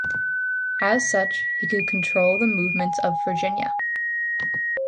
As such, he could control the movements of "Virginia".